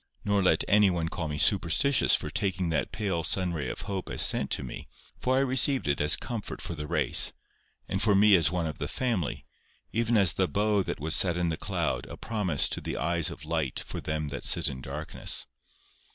Nor let any one call me superstitious for taking that pale sun ray of hope as sent to me; for I received it as comfort for the race, and for me as one of the family, even as the bow that was set in the cloud, a promise to the eyes of light for them that sit in darkness.